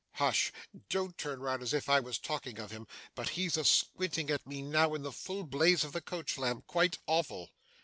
Hush! Don't turn round as if I was talking of him, but he's a squinting at me now in the full blaze of the coach lamp, quite awful!